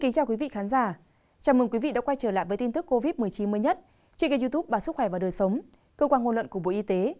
chào mừng quý vị đã quay trở lại với tin tức covid một mươi chín mới nhất trên kênh youtube bà sức khỏe và đời sống cơ quan ngôn luận của bộ y tế